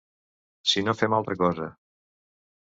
Si no fem altra cosa.